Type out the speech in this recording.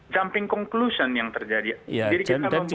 jumping conclusion yang terjadi